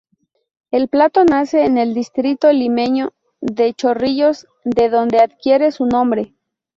El plato nace en el distrito limeño de Chorrillos, de donde adquiere su nombre.